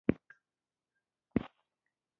ساده ګولایي یو دایروي قوس دی